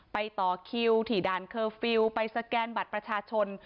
ต่อคิวที่ด่านเคอร์ฟิลล์ไปสแกนบัตรประชาชน